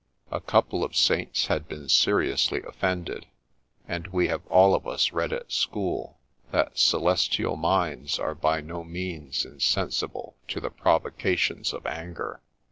A couple of Saints had been seriously offended ; and we have all of us read at school that celestial minds are by no means insensible to the provocations of anger.